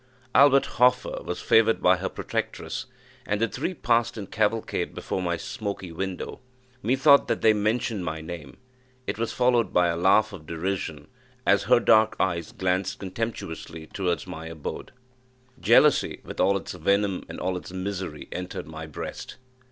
Albert Hoffer was favoured by her protectress, and the three passed in cavalcade before my smoky window. Methought that they mentioned my name; it was followed by a laugh of derision, as her dark eyes glanced contemptuously towards my abode. Jealousy, with all its venom and all its misery, entered my breast.